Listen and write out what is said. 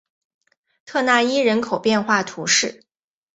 特讷伊人口变化图示